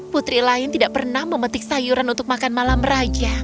putri lain tidak pernah memetik sayuran untuk makan malam raja